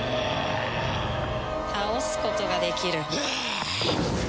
倒すことができる。